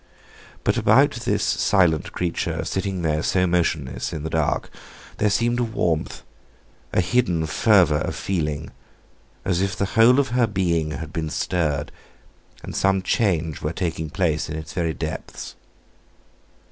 But about this silent creature sitting there so motionless, in the dark, there seemed a warmth, a hidden fervour of feeling, as if the whole of her being had been stirred, and some change were taking place in its very depths.